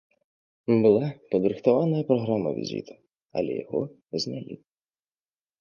Была падрыхтаваная праграма візіту, але яго знялі.